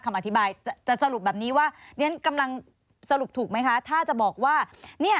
คำอธิบายจะสรุปแบบนี้ว่าเรียนกำลังสรุปถูกไหมคะถ้าจะบอกว่าเนี่ย